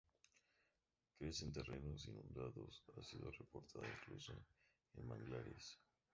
Crece en terrenos inundados, ha sido reportada incluso en manglares.